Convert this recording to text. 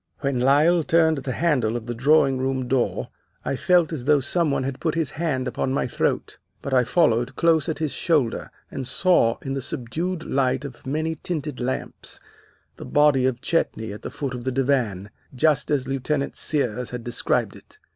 When Lyle turned the handle of the drawing room door, I felt as though some one had put his hand upon my throat. But I followed close at his shoulder, and saw, in the subdued light of many tinted lamps, the body of Chetney at the foot of the divan, just as Lieutenant Sears had described it.